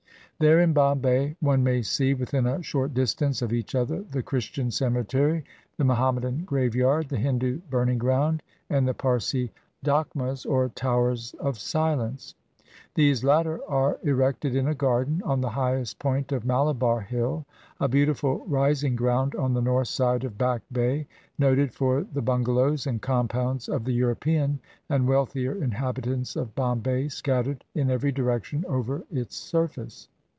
There in Bombay one may see, within a short distance of each other, the Christian cemetery, the Muhamma dan graveyard, the Hindu burning ground, and the Parsi Dakhmas, or Towers of Silence. These latter are erected in a garden, on the highest point of Malabar Hill — a beautiful rising ground on the north side of Back Bay, noted for the bungalows and compounds of the European and wealthier inhabitants of Bombay scattered in every direction over its surface.